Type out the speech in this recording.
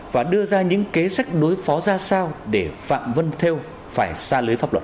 và đưa ra những kế sách đối phó ra sao để phạm văn thêu phải xa lưới pháp luật